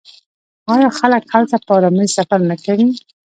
آیا خلک هلته په ارامۍ سفر نه کوي؟